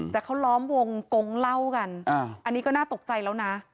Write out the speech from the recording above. แต่เขาล้อมวงกงเล่ากันอันนี้ก็น่าตกใจแล้วนะ